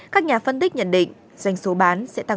các nhà phân tích nhận định doanh số bán sẽ tăng